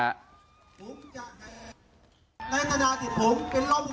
แต่ถ้าเกิดว่าเขาคุกมะยู